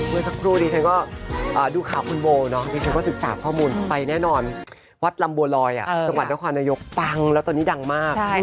เมื่อสักครู่นี้ฉันก็ดูข่าวคุณโบเนาะดิฉันก็ศึกษาข้อมูลไปแน่นอนวัดลำบัวลอยจังหวัดนครนายกปังแล้วตอนนี้ดังมาก